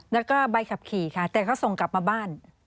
แล้วก็ใบขับขี่ค่ะแต่เขาส่งกลับมาบ้าน